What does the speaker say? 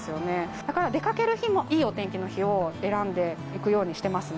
だから出かける日もいいお天気の日を選んで行くようにしてますね。